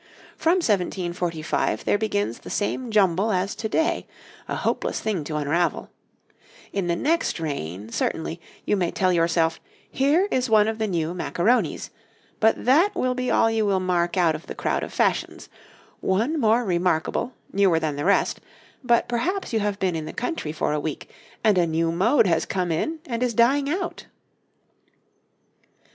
From 1745 there begins the same jumble as to day, a hopeless thing to unravel; in the next reign, certainly, you may tell yourself here is one of the new Macaronis, but that will be all you will mark out of the crowd of fashions one more remarkable, newer than the rest, but perhaps you have been in the country for a week, and a new mode has come in and is dying out.